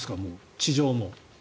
地上も。